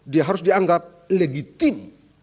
dia harus dianggap legitim